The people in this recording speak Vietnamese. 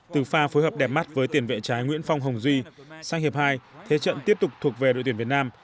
từ pha phối hợp đẹp mắt với tiền vệ trái nguyễn phong hồng duy sang hiệp hai thế trận tiếp tục thuộc về đội tuyển việt nam